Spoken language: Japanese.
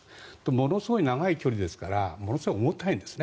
ものすごい長い距離ですからものすごい重たいんですね。